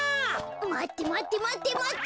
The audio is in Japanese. まってまってまってまって。